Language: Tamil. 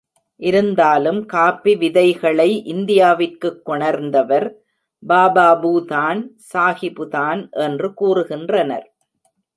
இருந்தாலும் காஃபி விதைகளை இந்தியாவிற்குக் கொணர்ந்தவர் பாபாபூதான் சாகிபுதான் என்று கூறுகின்றனர்.